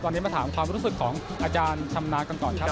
ตอนนี้มาถามความรู้สึกของอาจารย์ชำนาญกันก่อนครับ